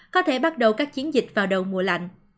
có thể bắt đầu các chiến dịch vào đầu mùa lạnh